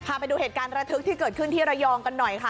พาไปดูเหตุการณ์ระทึกที่เกิดขึ้นที่ระยองกันหน่อยค่ะ